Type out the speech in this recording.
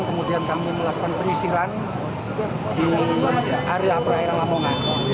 kemudian kami melakukan penyisiran di area perairan lamongan